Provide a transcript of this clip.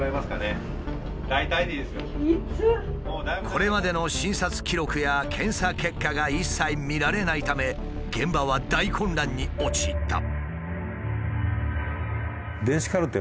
これまでの診察記録や検査結果が一切見られないため現場は大混乱に陥った。